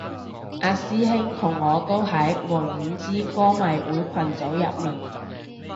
阿師兄同我都喺王菀之歌迷會群組入面